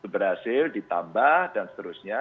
berhasil ditambah dan seterusnya